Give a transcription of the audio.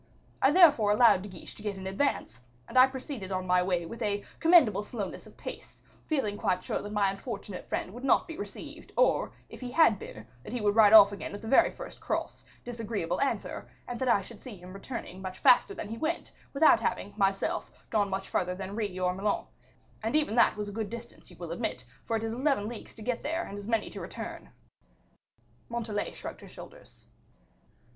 I therefore allowed De Guiche to get in advance, and I proceeded on my way with a commendable slowness of pace, feeling quite sure that my unfortunate friend would not be received, or, if he had been, that he would ride off again at the very first cross, disagreeable answer; and that I should see him returning much faster than he went, without having, myself, gone much farther than Ris or Melun and that even was a good distance you will admit, for it is eleven leagues to get there and as many to return." Montalais shrugged her shoulders.